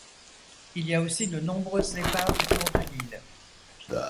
Il y a aussi de nombreuses épaves autour de l'île.